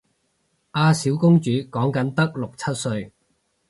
阿小公主講緊得六七歲